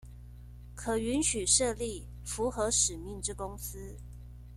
可允許設立符合使命之公司